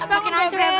aduh makin hancur ya be